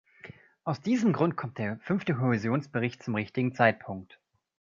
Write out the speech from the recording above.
Aus diesem Grund kommt der Fünfte Kohäsionsbericht zum richtigen Zeitpunkt.